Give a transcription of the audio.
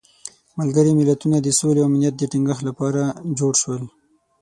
ملګري ملتونه د سولې او امنیت د تینګښت لپاره جوړ شول.